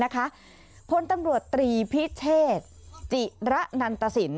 คนตำรวจตรีพิเชษจิระนันตสิน